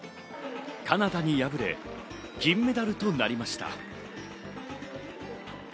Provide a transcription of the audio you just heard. カナダに敗れ、銀メダルとなりました。